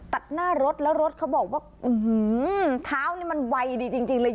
ตัดหน้ารถแล้วรถเขาบอกว่าเท้านี่มันไวดีจริงเลย